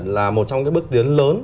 là một trong những bước tiến lớn